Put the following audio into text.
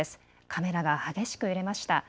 カメラが激しく揺れました。